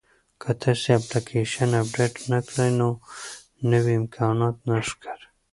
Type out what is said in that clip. که تاسي اپلیکیشن اپډیټ نه کړئ نو نوي امکانات نه ښکاري.